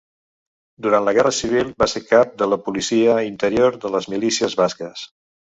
Durant la Guerra Civil va ser cap de la policia interior de les Milícies Basques.